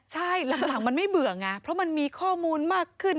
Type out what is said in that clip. ใช่หลังมันไม่เบื่อไงเพราะมันมีข้อมูลมากขึ้น